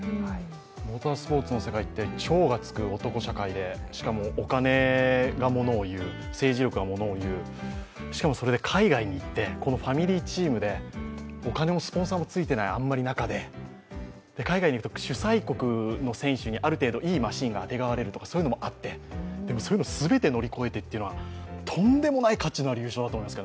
モータースポーツの世界って超がつく男社会でしかもお金がものを言う、政治力がものを言う、しかもそれで海外に行って、ファミリーチームでお金もスポンサーもあんまりついていない中で海外に行くと主催国の選手にある程度、いいマシンがあてがわれるとか、そういうのもあって、でもそういうのすべて乗り越えてっていうのはとんでもない価値のある優勝だと思います。